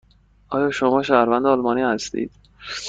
آیا شما شهروند آلمان هستید؟